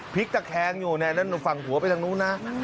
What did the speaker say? พลิกตะแคงอยู่เนี่ยนั่นฝั่งหัวไปทางนู้นนะ